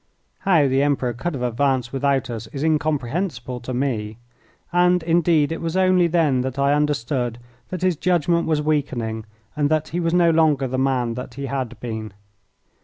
How the Emperor could have advanced without us is incomprehensible to me, and, indeed, it was only then that I understood that his judgment was weakening and that he was no longer the man that he had been.